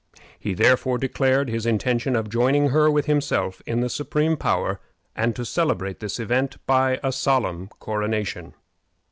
He therefore declared his intention of joining her with himself in the supreme power, and to celebrate this event by a solemn coronation.